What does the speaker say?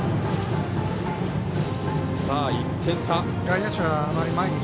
１点差。